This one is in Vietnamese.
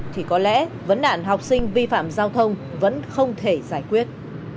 thì có lẽ vấn nạn học sinh vi phạm giao thông vẫn không thể giải quyết